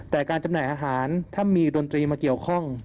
แต่การจำหน่ายอาหารถ้ามีดนตรีมาเกี่ยวข้อง